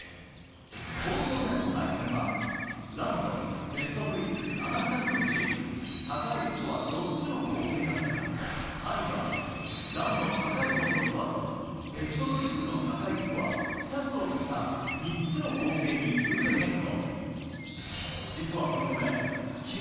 東京での採点はランとベストトリック７回のうち、高いスコア４つの合計だったが、パリでは、ランの高いほうのスコアと、ベストトリックの高いスコア２つを足した３つの合計にルール変更。